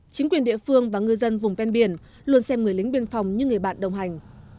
chính quyền địa phương và ngư dân vùng ven biển luôn xem người lính biên phòng như người bạn đồng hành